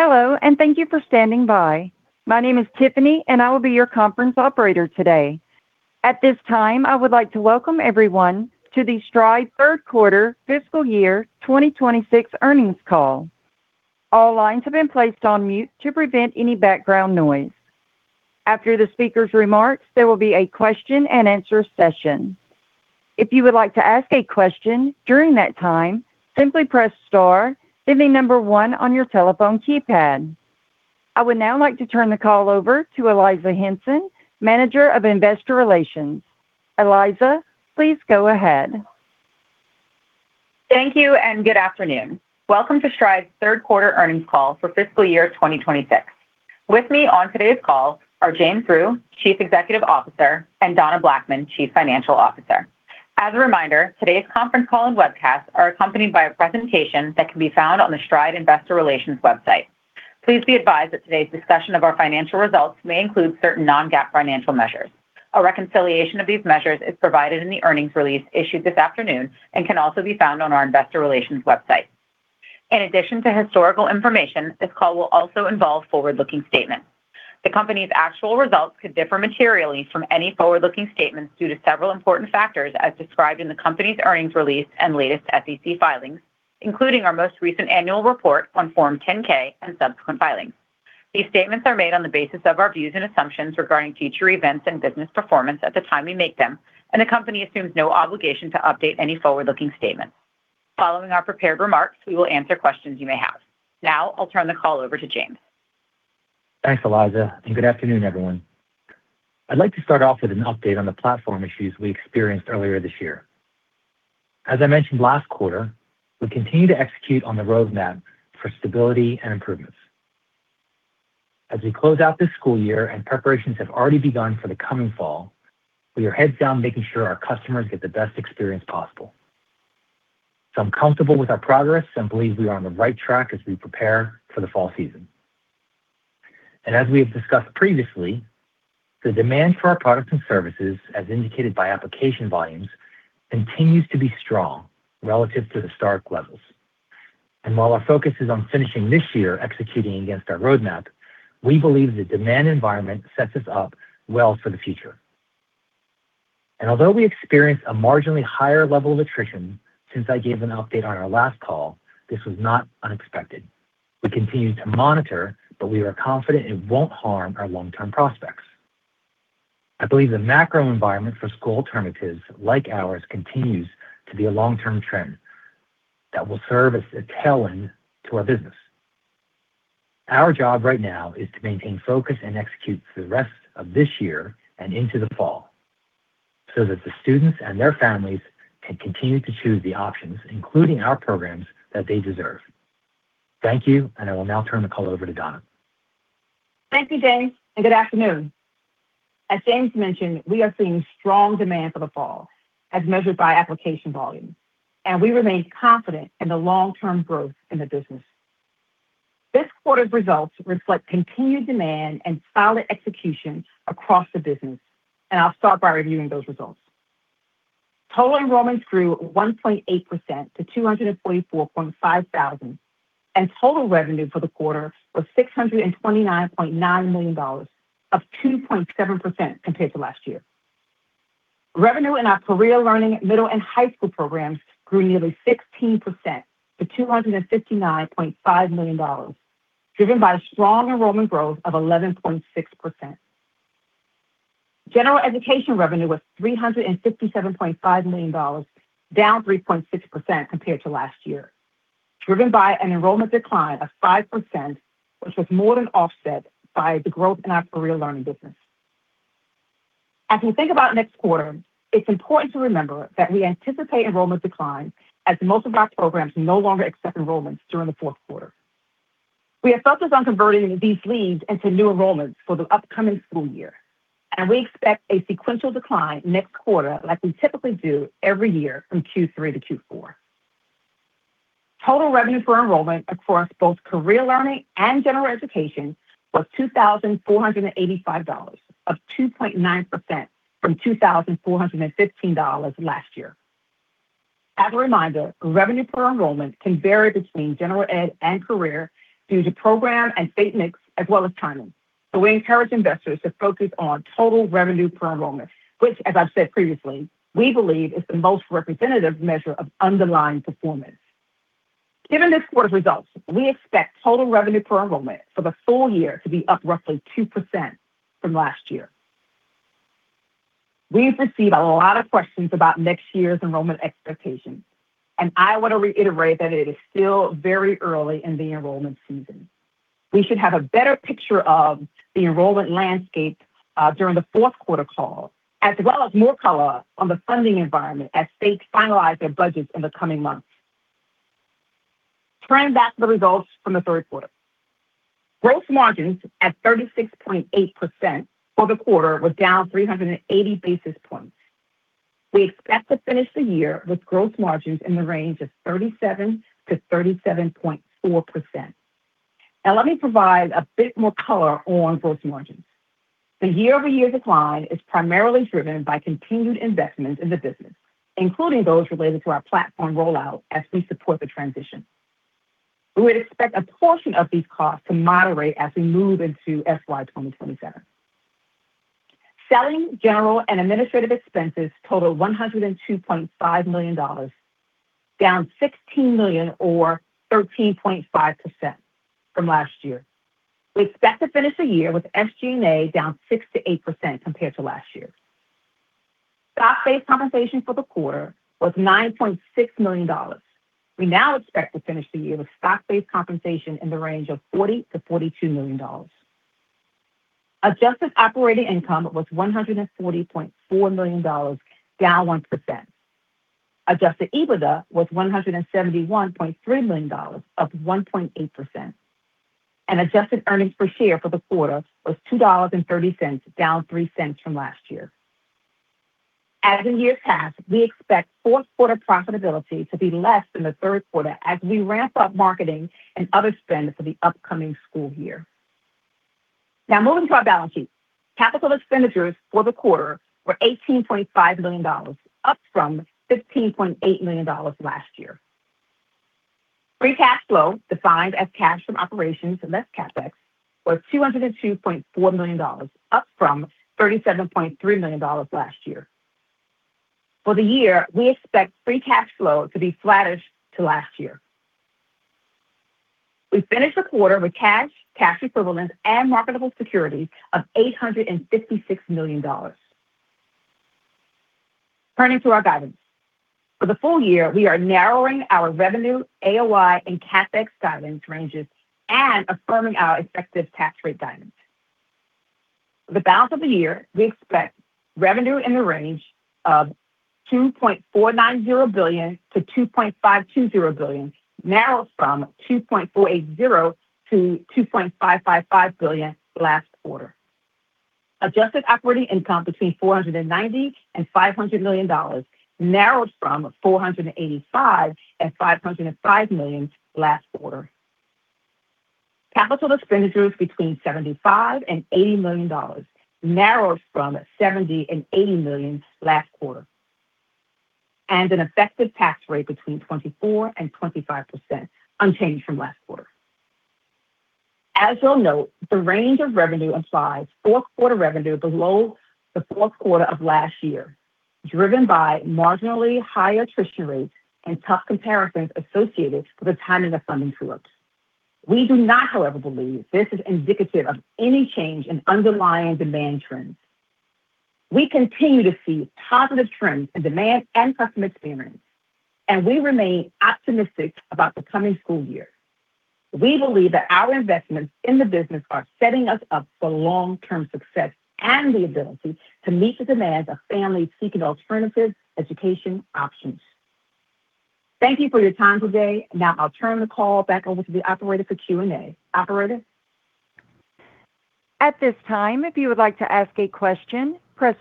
Hello, and thank you for standing by. My name is Tiffany, and I will be your conference operator today. At this time, I would like to welcome everyone to the Stride Q3 Fiscal Year 2026 earnings call. All lines have been placed on mute to prevent any background noise. After the speaker's remarks, there will be a question and answer session. If you would like to ask a question during that time, simply press star, then one on your telephone keypad. I would now like to turn the call over to Eliza Henson, Manager of Investor Relations. Eliza, please go ahead. Thank you. Good afternoon. Welcome to Stride's Q3 earnings call for fiscal year 2026. With me on today's call are James Rhyu, Chief Executive Officer, and Donna Blackman, Chief Financial Officer. As a reminder, today's conference call and webcast are accompanied by a presentation that can be found on the Stride Investor Relations website. Please be advised that today's discussion of our financial results may include certain non-GAAP financial measures. A reconciliation of these measures is provided in the earnings release issued this afternoon and can also be found on our investor relations website. In addition to historical information, this call will also involve forward-looking statements. The company's actual results could differ materially from any forward-looking statements due to several important factors as described in the company's earnings release and latest SEC filings, including our most recent annual report on form 10-K and subsequent filings. These statements are made on the basis of our views and assumptions regarding future events and business performance at the time we make them, and the company assumes no obligation to update any forward-looking statements. Following our prepared remarks, we will answer questions you may have. Now I'll turn the call over to James. Thanks, Eliza, and good afternoon, everyone. I'd like to start off with an update on the platform issues we experienced earlier this year. As I mentioned last quarter, we continue to execute on the roadmap for stability and improvements. As we close out this school year and preparations have already begun for the coming fall, we are heads down making sure our customers get the best experience possible. I'm comfortable with our progress and believe we are on the right track as we prepare for the fall season. As we have discussed previously, the demand for our products and services, as indicated by application volumes, continues to be strong relative to the start levels. While our focus is on finishing this year executing against our roadmap, we believe the demand environment sets us up well for the future. Although we experienced a marginally higher level of attrition since I gave an update on our last call, this was not unexpected. We continue to monitor, but we are confident it won't harm our long-term prospects. I believe the macro environment for school alternatives like ours continues to be a long-term trend that will serve as a tailwind to our business. Our job right now is to maintain focus and execute through the rest of this year and into the fall so that the students and their families can continue to choose the options, including our programs, that they deserve. Thank you, and I will now turn the call over to Donna. Thank you, James, and good afternoon. As James mentioned, we are seeing strong demand for the fall as measured by application volume, and we remain confident in the long-term growth in the business. This quarter's results reflect continued demand and solid execution across the business. I'll start by reviewing those results. Total enrollments grew 1.8% to 244.5 thousand. Total revenue for the quarter was $629.9 million, up 2.7% compared to last year. Revenue in our Career Learning middle and high school programs grew nearly 16% to $259.5 million, driven by a strong enrollment growth of 11.6%. General Education revenue was $367.5 million, down 3.6% compared to last year, driven by an enrollment decline of 5%, which was more than offset by the growth in our Career Learning business. As we think about next quarter, it's important to remember that we anticipate enrollment decline as most of our programs no longer accept enrollments during the Q4. We are focused on converting these leads into new enrollments for the upcoming school year, and we expect a sequential decline next quarter like we typically do every year from Q3 to Q4. Total revenue for enrollment across both Career Learning and General Education was $2,485, up 2.9% from $2,415 last year. As a reminder, revenue per enrollment can vary between General Education and Career Learning due to program and state mix as well as timing. We encourage investors to focus on total revenue per enrollment, which as I've said previously, we believe is the most representative measure of underlying performance. Given this quarter's results, we expect total revenue per enrollment for the full year to be up roughly 2% from last year. We've received a lot of questions about next year's enrollment expectations, and I want to reiterate that it is still very early in the enrollment season. We should have a better picture of the enrollment landscape during the Q4 call, as well as more color on the funding environment as states finalize their budgets in the coming months. Turning back to the results from the Q3. Gross margins at 36.8% for the quarter was down 380 basis points. We expect to finish the year with gross margins in the range of 37%-37.4%. Let me provide a bit more color on gross margins. The year-over-year decline is primarily driven by continued investments in the business, including those related to our platform rollout as we support the transition. We would expect a portion of these costs to moderate as we move into FY2027. Selling, general, and administrative expenses total $102.5 million, down $16 million or 13.5% from last year. We expect to finish the year with SG&A down 6%-8% compared to last year. Stock-based compensation for the quarter was $9.6 million. We now expect to finish the year with stock-based compensation in the range of $40 million-$42 million. Adjusted operating income was $140.4 million, down 1%. Adjusted EBITDA was $171.3 million, up 1.8%. Adjusted earnings per share for the quarter was $2.30, down $0.03 from last year. As in years past, we expect Q4 profitability to be less than the Q3 as we ramp up marketing and other spend for the upcoming school year. Now moving to our balance sheet. Capital expenditures for the quarter were $18.5 million, up from $15.8 million last year. Free cash flow, defined as cash from operations and less CapEx, was $202.4 million, up from $37.3 million last year. For the year, we expect free cash flow to be flattish to last year. We finished the quarter with cash equivalents, and marketable securities of $856 million. Turning to our guidance. For the full year, we are narrowing our revenue, AOI, and CapEx guidance ranges and affirming our effective tax rate guidance. For the balance of the year, we expect revenue in the range of $2.490 billion-$2.520 billion, narrows from $2.480 billion-$2.555 billion last quarter. Adjusted operating income between $490 million-$500 million, narrows from $485 million-$505 million last quarter. Capital expenditures between $75 million-$80 million, narrows from $70 million-$80 million last quarter. An effective tax rate between 24%-25%, unchanged from last quarter. As you'll note, the range of revenue implies Q4 revenue below the Q4 of last year, driven by marginally higher attrition rates and tough comparisons associated with the timing of funding true-ups. We do not, however, believe this is indicative of any change in underlying demand trends. We continue to see positive trends in demand and customer experience, and we remain optimistic about the coming school year. We believe that our investments in the business are setting us up for long-term success and the ability to meet the demands of families seeking alternative education options. Thank you for your time today. Now I'll turn the call back over to the operator for Q&A. Operator? Your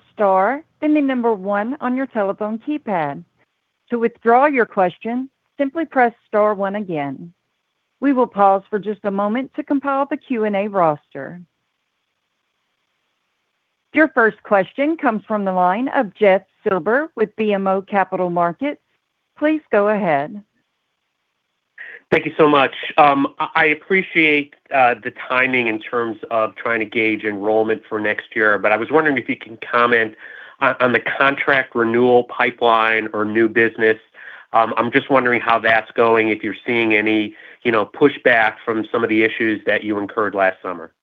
first question comes from the line of Jeff Silber with BMO Capital Markets. Please go ahead. Thank you so much. I appreciate the timing in terms of trying to gauge enrollment for next year, but I was wondering if you can comment on the contract renewal pipeline or new business. I'm just wondering how that's going, if you're seeing any, you know, pushback from some of the issues that you incurred last summer.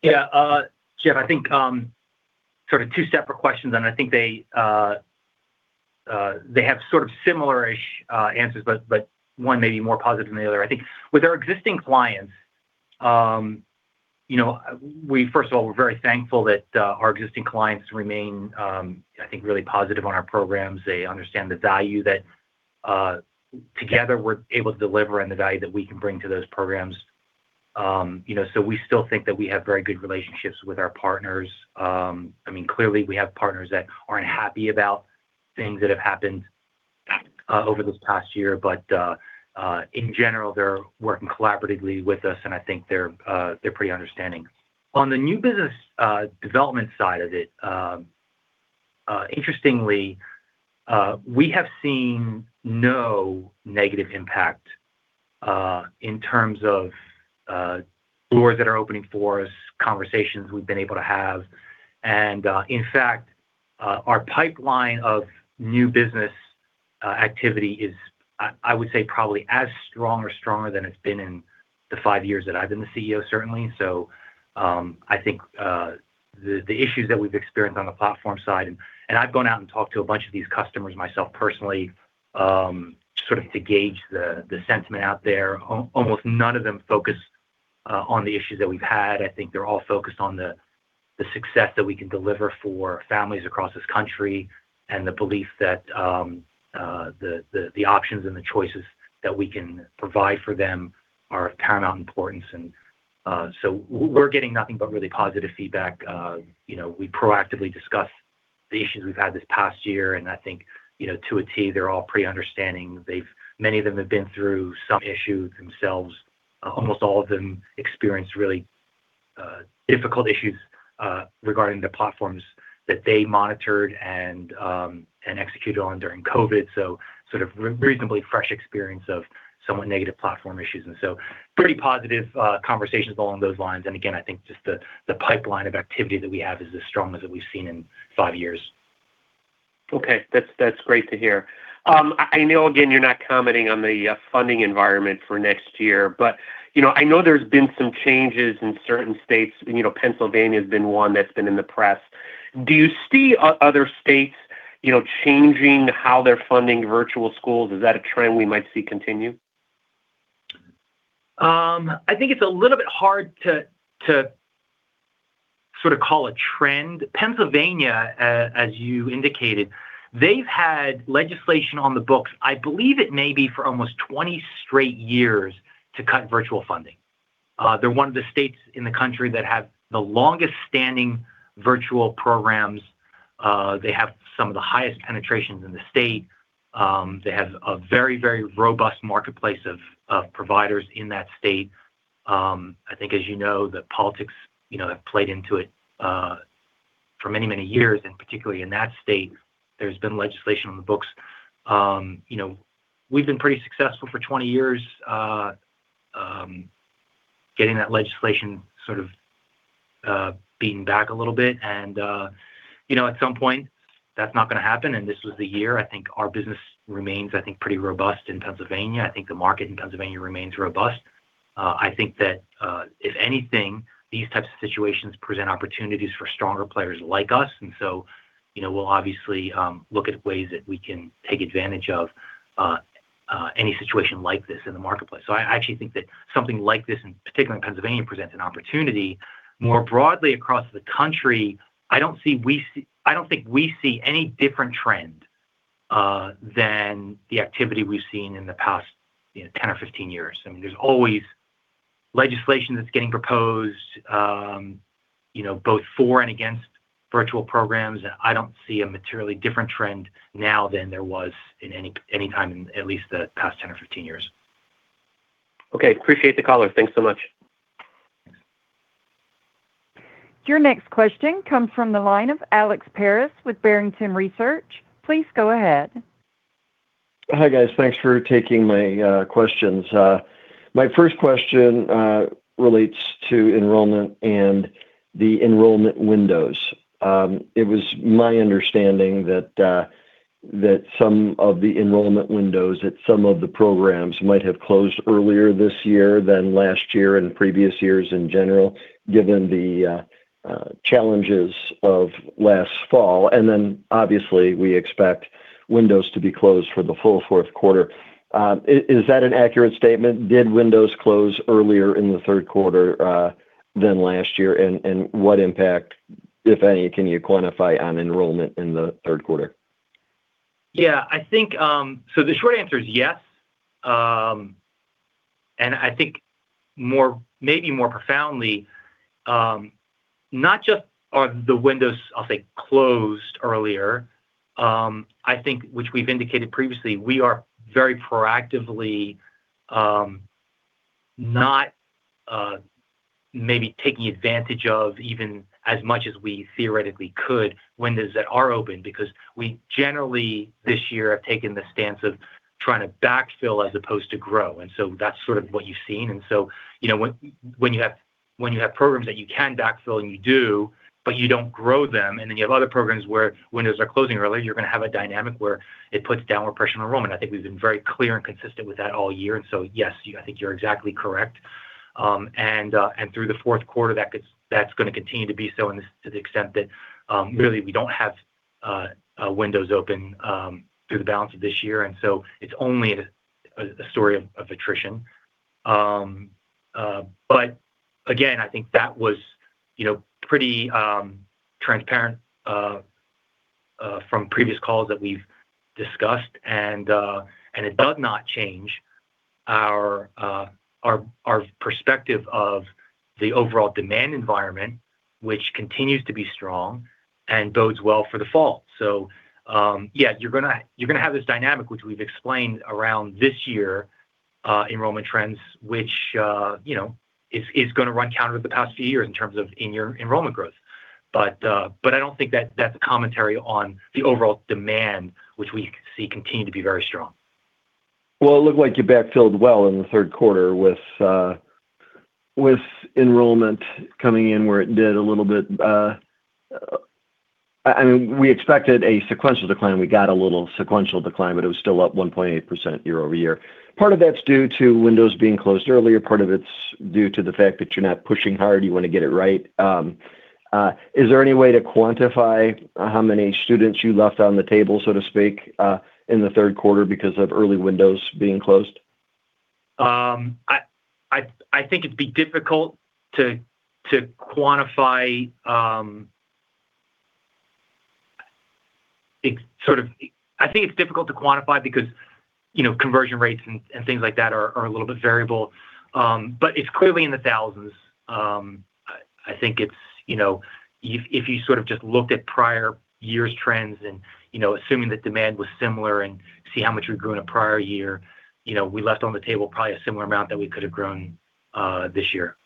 Yeah, Jeff, I think, sort of two separate questions, and I think they have sort of similar-ish answers, but one may be more positive than the other. I think with our existing clients, you know, first of all, we're very thankful that our existing clients remain, I think, really positive on our programs. They understand the value that together we're able to deliver and the value that we can bring to those programs. You know, we still think that we have very good relationships with our partners. I mean, clearly we have partners that aren't happy about things that have happened over this past year. In general, they're working collaboratively with us, and I think they're pretty understanding. On the new business development side of it, interestingly, we have seen no negative impact in terms of doors that are opening for us, conversations we've been able to have. In fact, our pipeline of new business activity is, I would say probably as strong or stronger than it's been in the five years that I've been the CEO, certainly. I think the issues that we've experienced on the platform side, and I've gone out and talked to a bunch of these customers myself personally, sort of to gauge the sentiment out there. Almost none of them focus on the issues that we've had. I think they're all focused on the success that we can deliver for families across this country and the belief that the options and the choices that we can provide for them are of paramount importance. So we're getting nothing but really positive feedback. You know, we proactively discuss The issues we've had this past year, I think, you know, to a T, they're all pretty understanding. Many of them have been through some issue themselves. Almost all of them experienced really difficult issues regarding the platforms that they monitored and executed on during COVID. Sort of reasonably fresh experience of somewhat negative platform issues, and so pretty positive conversations along those lines. Again, I think just the pipeline of activity that we have is as strong as what we've seen in five years. Okay. That's great to hear. I know, again, you're not commenting on the funding environment for next year. You know, I know there's been some changes in certain states. You know, Pennsylvania's been one that's been in the press. Do you see other states, you know, changing how they're funding virtual schools? Is that a trend we might see continue? I think it's a little bit hard to sort of call a trend. Pennsylvania, as you indicated, they've had legislation on the books, I believe it may be for almost 20 straight years, to cut virtual funding. They're one of the states in the country that have the longest standing virtual programs. They have some of the highest penetrations in the state. They have a very, very robust marketplace of providers in that state. I think as you know, the politics, you know, have played into it for many, many years, and particularly in that state, there's been legislation on the books. You know, we've been pretty successful for 20 years getting that legislation sort of beaten back a little bit and, you know, at some point, that's not gonna happen, and this was the year. I think our business remains, I think, pretty robust in Pennsylvania. I think the market in Pennsylvania remains robust. I think that, if anything, these types of situations present opportunities for stronger players like us. You know, we'll obviously, look at ways that we can take advantage of any situation like this in the marketplace. I actually think that something like this, and particularly in Pennsylvania, presents an opportunity. More broadly across the country, I don't think we see any different trend than the activity we've seen in the past, you know, 10 or 15 years. I mean, there's always legislation that's getting proposed, you know, both for and against virtual programs. I don't see a materially different trend now than there was in any time in at least the past 10 or 15 years. Okay. Appreciate the color. Thanks so much. Your next question comes from the line of Alex Paris with Barrington Research. Please go ahead. Hi, guys. Thanks for taking my questions. My first question relates to enrollment and the enrollment windows. It was my understanding that some of the enrollment windows at some of the programs might have closed earlier this year than last year and previous years in general, given the challenges of last fall. Obviously, we expect windows to be closed for the full Q4. Is that an accurate statement? Did windows close earlier in the Q3 than last year? What impact, if any, can you quantify on enrollment in the Q3? Yeah. I think, the short answer is yes. I think more, maybe more profoundly, not just are the windows, I'll say, closed earlier, I think, which we've indicated previously, we are very proactively, not maybe taking advantage of even as much as we theoretically could, windows that are open because we generally this year have taken the stance of trying to backfill as opposed to grow. That's sort of what you've seen. You know, when you have programs that you can backfill and you do, but you don't grow them, and then you have other programs where windows are closing early, you're gonna have a dynamic where it puts downward pressure on enrollment. I think we've been very clear and consistent with that all year. Yes, I think you're exactly correct. Through the Q4, that's gonna continue to be so to the extent that really we don't have windows open through the balance of this year. It's only a story of attrition. Again, I think that was, you know, pretty transparent from previous calls that we've discussed. It does not change our perspective of the overall demand environment, which continues to be strong and bodes well for the fall. Yeah, you're gonna have this dynamic, which we've explained around this year enrollment trends, which, you know, is gonna run counter the past few years in terms of in-year enrollment growth. I don't think that's a commentary on the overall demand, which we see continue to be very strong. Well, it looked like you backfilled well in the Q3 with enrollment coming in where it did a little bit. I mean, we expected a sequential decline. We got a little sequential decline, but it was still up 1.8% year-over-year. Part of that's due to windows being closed earlier. Part of it's due to the fact that you're not pushing hard. You wanna get it right. Is there any way to quantify how many students you left on the table, so to speak, in the Q3 because of early windows being closed? I think it'd be difficult to quantify. It's sort of. I think it's difficult to quantify because, you know, conversion rates and things like that are a little bit variable. It's clearly in the thousands. I think it's, you know, if you sort of just looked at prior years' trends and, assuming that demand was similar and see how much we grew in a prior year, you know, we left on the table probably a similar amount that we could have grown this year.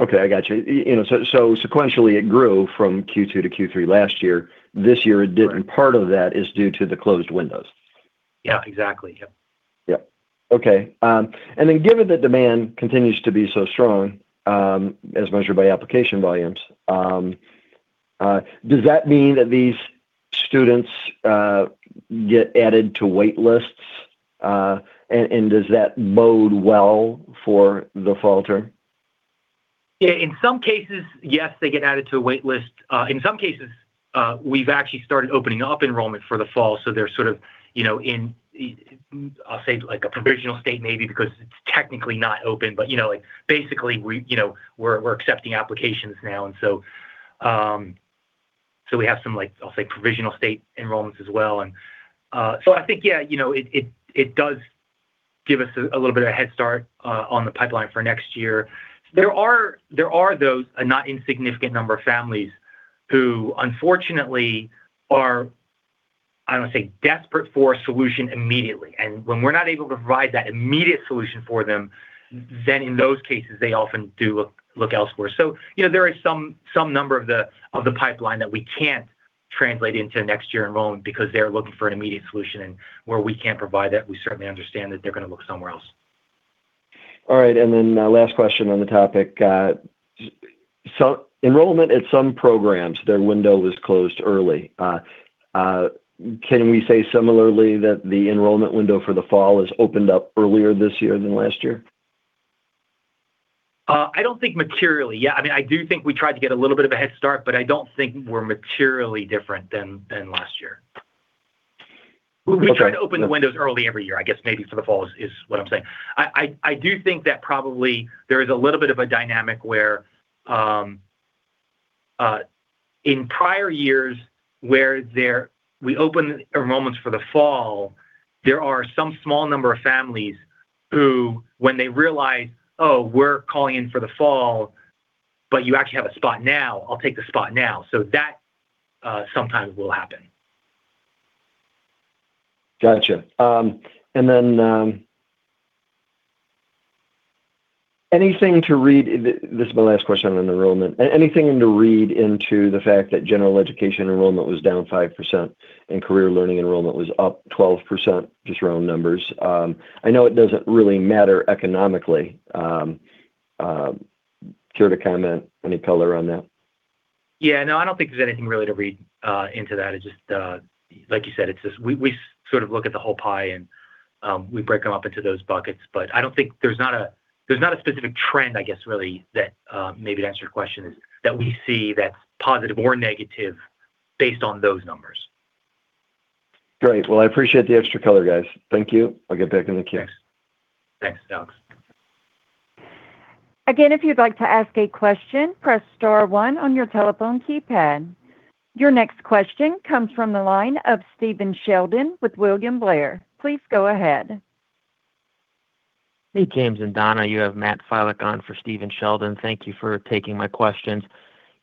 Okay. I got you. You know, sequentially it grew from Q2 to Q3 last year. This year it didn't. Right. Part of that is due to the closed windows. Yeah, exactly. Yep. Yep. Okay. Given that demand continues to be so strong, as measured by application volumes, does that mean that these students get added to wait lists? Does that bode well for the fall term? In some cases, yes, they get added to a wait list. In some cases, we've actually started opening up enrollment for the fall, so they're sort of, you know, in a provisional state maybe because it's technically not open, but you know, basically we're accepting applications now. We have some like, I'll say, provisional state enrollments as well. I think, you know, it does give us a little bit of a head start on the pipeline for next year. There are those, a not insignificant number of families who unfortunately are, I don't wanna say desperate for a solution immediately. When we're not able to provide that immediate solution for them, then in those cases, they often do look elsewhere. You know, there is some number of the pipeline that we can't translate into next year enrollment because they're looking for an immediate solution, and where we can't provide that, we certainly understand that they're gonna look somewhere else. All right. Last question on the topic. Enrollment at some programs, their window was closed early. Can we say similarly that the enrollment window for the fall has opened up earlier this year than last year? I don't think materially, yeah. I mean, I do think we tried to get a little bit of a head start, but I don't think we're materially different than last year. Okay. We try to open the windows early every year, I guess maybe for the fall is what I'm saying. I do think that probably there is a little bit of a dynamic where, in prior years where we open enrollments for the fall, there are some small number of families who, when they realize, "Oh, we're calling in for the fall, but you actually have a spot now. I'll take the spot now." That, sometimes will happen. Gotcha. This is my last question on enrollment. Anything to read into the fact that General Education enrollment was down 5% and Career Learning enrollment was up 12%, just around numbers. Care to comment any color on that? Yeah, no, I don't think there's anything really to read into that. It's just, like you said. We sort of look at the whole pie and we break them up into those buckets. I don't think there's not a specific trend, I guess, really that, maybe to answer your question is, that we see that's positive or negative based on those numbers. Great. Well, I appreciate the extra color, guys. Thank you. I'll get back in the queue. Thanks, Alex. Your next question comes from the line of Stephen Sheldon with William Blair. Please go ahead. Hey, James and Donna. You have Matt Filek on for Stephen Sheldon. Thank you for taking my questions.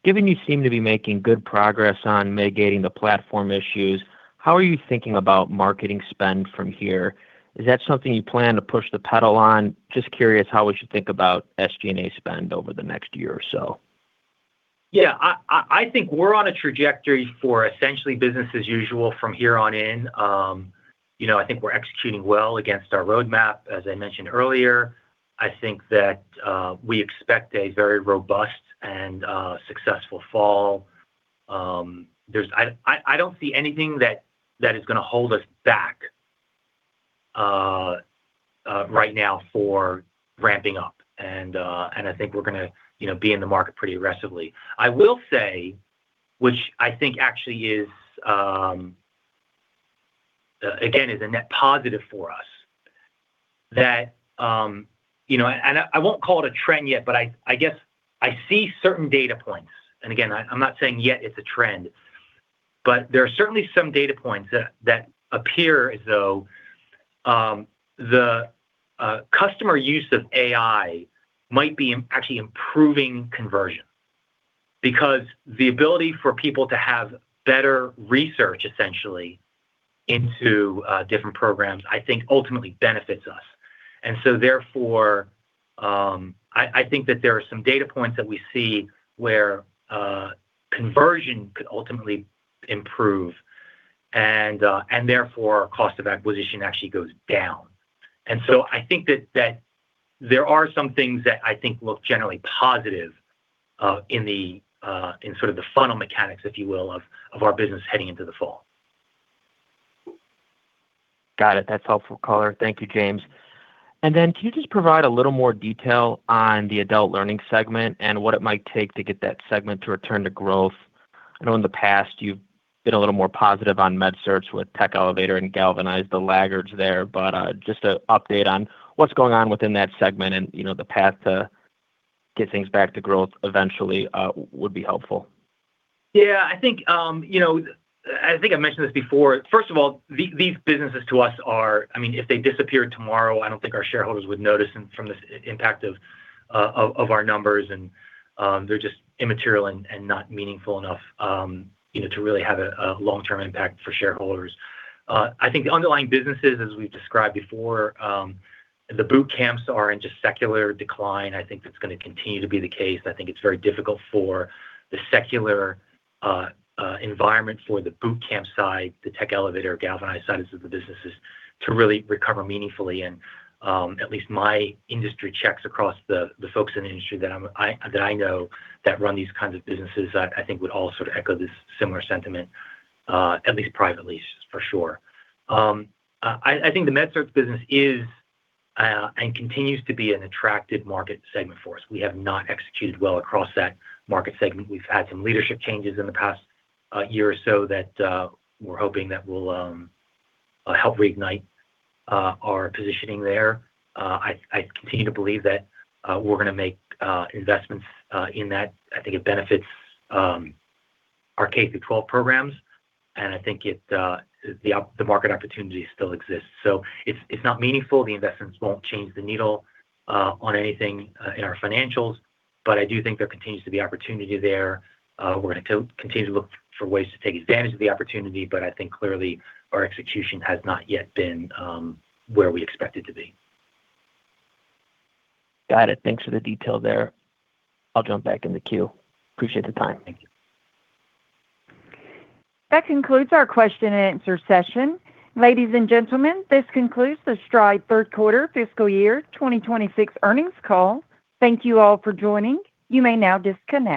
Given you seem to be making good progress on mitigating the platform issues, how are you thinking about marketing spend from here? Is that something you plan to push the pedal on? Just curious how we should think about SG&A spend over the next year or so. Yeah. I think we're on a trajectory for essentially business as usual from here on in. You know, I think we're executing well against our roadmap. As I mentioned earlier, I think that we expect a very robust and successful fall. I don't see anything that is gonna hold us back right now for ramping up. I think we're gonna, you know, be in the market pretty aggressively. I will say, which I think actually is again, is a net positive for us, that, you know, and I won't call it a trend yet, but I guess I see certain data points. Again, I'm not saying yet it's a trend, but there are certainly some data points that appear as though the customer use of AI might be actually improving conversion. Because the ability for people to have better research essentially into different programs, I think ultimately benefits us. Therefore, I think that there are some data points that we see where conversion could ultimately improve and therefore cost of acquisition actually goes down. I think that there are some things that I think look generally positive in sort of the funnel mechanics, if you will, of our business heading into the fall. Got it. That's helpful color. Thank you, James. Can you just provide a little more detail on the Adult Learning segment and what it might take to get that segment to return to growth? I know in the past you've been a little more positive on MedCerts with Tech Elevator and Galvanize, the laggards there. Just a update on what's going on within that segment and, you know, the path to get things back to growth eventually would be helpful. Yeah. I think, you know, I think I mentioned this before. First of all, these businesses to us are. I mean, if they disappeared tomorrow, I don't think our shareholders would notice and from the impact of our numbers, and they're just immaterial and not meaningful enough, you know, to really have a long-term impact for shareholders. I think the underlying businesses, as we've described before, the boot camps are in just secular decline. I think that's gonna continue to be the case. I think it's very difficult for the secular environment for the boot camp side, the Tech Elevator, Galvanize side of the businesses to really recover meaningfully. At least my industry checks across the folks in the industry that I know that run these kinds of businesses, I think would all sort of echo this similar sentiment, at least privately for sure. I think the MedCerts business is and continues to be an attractive market segment for us. We have not executed well across that market segment. We've had some leadership changes in the past year or so that we're hoping that will help reignite our positioning there. I continue to believe that we're gonna make investments in that. I think it benefits our K-12 programs, and I think the market opportunity still exists. It's not meaningful. The investments won't change the needle on anything in our financials, but I do think there continues to be opportunity there. We're gonna continue to look for ways to take advantage of the opportunity, but I think clearly our execution has not yet been where we expect it to be. Got it. Thanks for the detail there. I'll jump back in the queue. Appreciate the time. Thank you. That concludes our question and answer session. Ladies and gentlemen, this concludes the Stride Q3 fiscal year 2026 earnings call. Thank you all for joining. You may now disconnect.